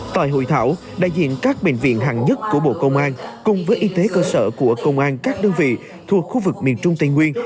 tại hội thảo đại diện các bệnh viện hàng nhất của bộ công an cùng với y tế cơ sở của công an các đơn vị thuộc khu vực miền trung tây nguyên